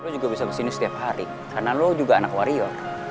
juga bisa mesin setiap hari karena lu juga anak wario